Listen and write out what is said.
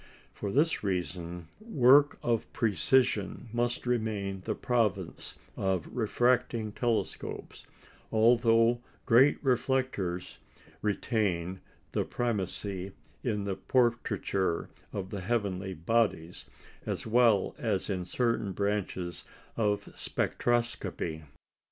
For this reason work of precision must remain the province of refracting telescopes, although great reflectors retain the primacy in the portraiture of the heavenly bodies, as well as in certain branches of spectroscopy.